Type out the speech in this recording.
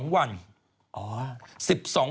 ๒วัน